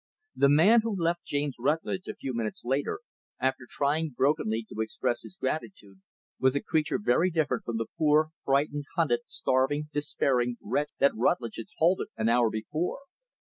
The man who left James Rutlidge a few minutes later, after trying brokenly to express his gratitude, was a creature very different from the poor, frightened hunted, starving, despairing, wretch that Rutlidge had halted an hour before.